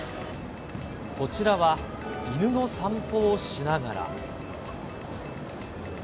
こちらは犬の散歩をしながら。